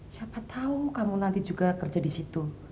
siapa tahu kamu nanti juga kerja disitu